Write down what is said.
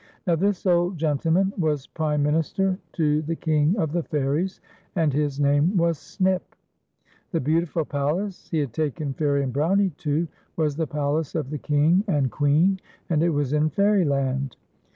Now this old gentleman was prime minister to the King of the Fairies, and his name was Snip. The beautiful palace he had taken Fairie and Brownie to was the palace of the King and Queen, and it was in Fairyland.